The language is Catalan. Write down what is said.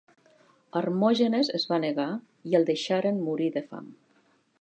Hermògenes es va negar, i el deixaren morir de fam.